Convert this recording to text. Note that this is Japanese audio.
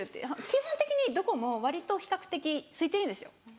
基本的にどこも割と比較的すいてるんですよ静岡って。